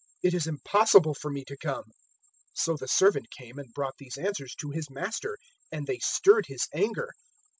It is impossible for me to come.' 014:021 "So the servant came and brought these answers to his master, and they stirred his anger.